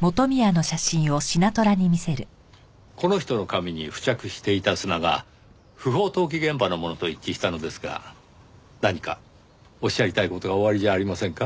この人の髪に付着していた砂が不法投棄現場のものと一致したのですが何かおっしゃりたい事がおありじゃありませんか？